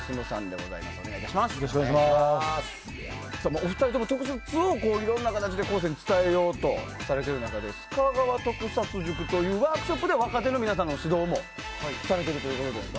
お二人とも、特撮をいろんな形で後世に伝えようとされている中ですかがわ特撮塾というワークショップで若手の皆さんの指導もされているということですか。